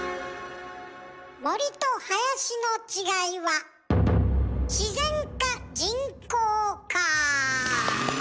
森と林の違いは自然か人工か。